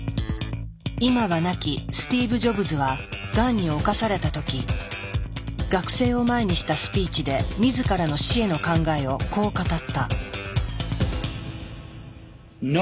今は亡きスティーブ・ジョブズはがんに侵された時学生を前にしたスピーチで自らの死への考えをこう語った。